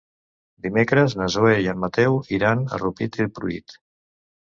Dimecres na Zoè i en Mateu iran a Rupit i Pruit.